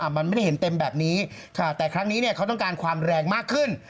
มันไม่ได้เห็นเต็มแบบนี้แต่ครั้งนี้เขาต้องการความแรงมากขึ้น